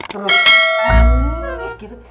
terus aneh gitu